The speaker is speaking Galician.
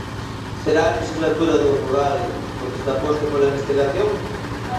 ¿Será a lexislatura do rural porque se aposte pola investigación?